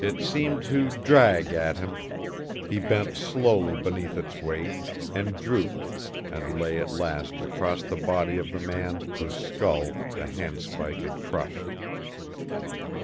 It seemed to drag at him; he bent slowly beneath its weight, and drooped, and lay at last across the body of the man whose skull the handspike had crushed.